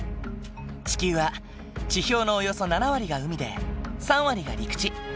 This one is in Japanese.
地球は地表のおよそ７割が海で３割が陸地。